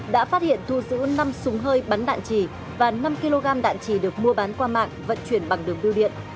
đã phát hiện thu giữ năm súng hơi bắn đạn trì và năm kg đạn trì được mua bán qua mạng vận chuyển bằng đường bưu điện